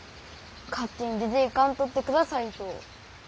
勝手に出ていかんとってくださいと。